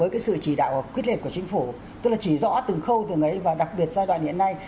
với sự chỉ đạo quyết liệt của chính phủ tức là chỉ rõ từng khâu từng ấy và đặc biệt giai đoạn hiện nay